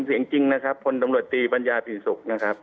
เสียงจริงนะครับคนตำรวจตีบรรยาผิดสุขนะครับ